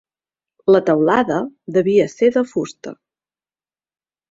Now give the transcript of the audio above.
La teulada devia ser de fusta.